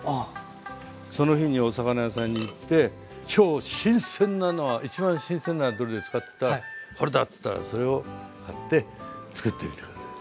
その日にお魚屋さんに行って今日新鮮なのは一番新鮮なのはどれですかっつったらこれだっつったらそれを買ってつくってみて下さい。